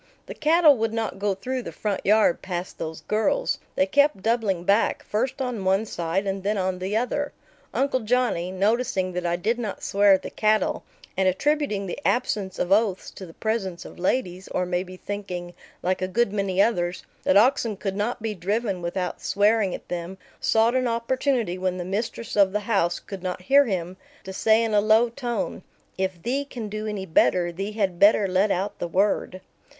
The cattle would not go through the front yard past those girls. They kept doubling back, first on one side and then on the other. Uncle Johnny, noticing that I did not swear at the cattle, and attributing the absence of oaths to the presence of ladies, or maybe thinking, like a good many others, that oxen could not be driven without swearing at them, sought an opportunity, when the mistress of the house could not hear him, to say in a low tone, "If thee can do any better, thee had better let out the word."